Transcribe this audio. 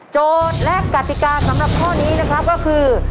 และกติกาสำหรับข้อนี้นะครับก็คือ